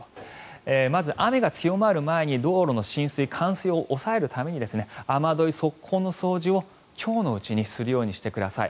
まず、雨が強まる前に道路の浸水、冠水を抑えるために雨どい、側溝の掃除を今日のうちにするようにしてください。